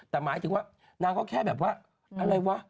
แต่หมายถึงว่านางก็แค่แบบว่าอะไรวะ